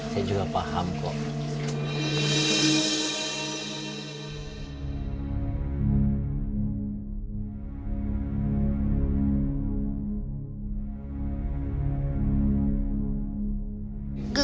saya juga paham kok